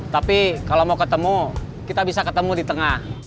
tapi kalau mau ketemu kita bisa ketemu di tengah